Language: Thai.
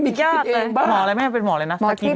มีหรือเป็นหมออะไรแม่เป็นหมออะไรนะ